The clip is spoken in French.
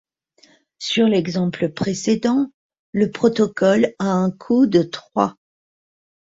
Sur l'exemple précédent, le protocole a un coût de trois.